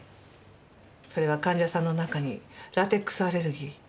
それは患者さんの中にラテックスアレルギー